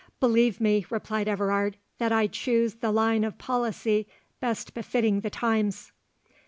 "Believe me," replied Everard, "that I choose the line of policy best befitting the times."